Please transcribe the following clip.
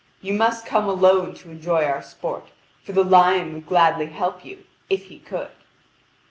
You must come alone to enjoy our sport, for the lion would gladly help you, if he could."